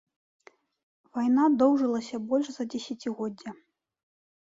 Вайна доўжылася больш за дзесяцігоддзе.